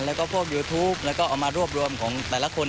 แล้วก็พวกยูทูปแล้วก็เอามารวบรวมของแต่ละคน